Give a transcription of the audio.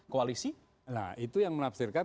koalisi nah itu yang menafsirkan